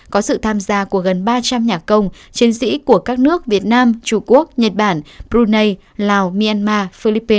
có sự tham gia của gần ba trăm linh nhà công chiến sĩ của các nước việt nam trung quốc nhật bản brunei lào myanmar philippines